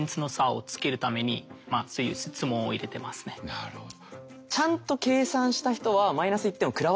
なるほど。